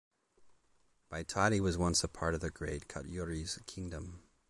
Baitadi was once a part of the Great Katyuri's Kingdom.